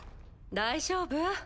大丈夫？